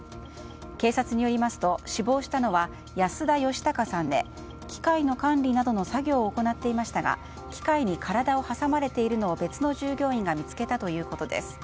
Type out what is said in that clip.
警察によりますと死亡したのは安田祥隆さんで機械の管理などの作業を行っていましたが機械に体を挟まれているのを別の従業員が見つけたということです。